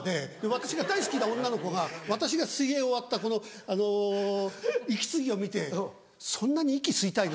私が大好きな女の子が私が水泳終わったこの息継ぎを見て「そんなに息吸いたいの？」